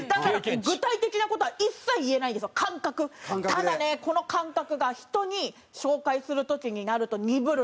ただねこの感覚が人に紹介する時になると鈍るんですね。